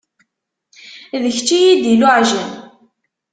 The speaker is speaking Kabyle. D kečč i yi-d-iluɛjen.